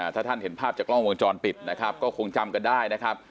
ถ้าท่านเห็นภาพจากกล้องวงจรปิดนะครับก็คงจำกันได้นะครับ